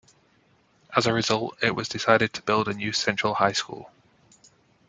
As a result, it was decided to build a new central high school.